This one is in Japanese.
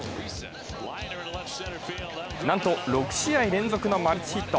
なんと、６試合連続のマルチヒット。